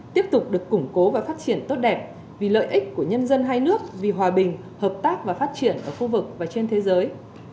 tiếp tục được củng cố và phát triển tốt đẹp vì lợi ích của nhân dân hai nước vì hòa bình hợp tác và phát triển ở khu vực và trên thế giới